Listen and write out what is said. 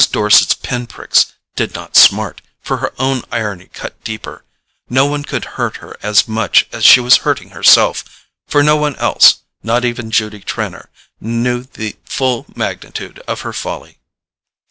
Dorset's pin pricks did not smart, for her own irony cut deeper: no one could hurt her as much as she was hurting herself, for no one else—not even Judy Trenor—knew the full magnitude of her folly.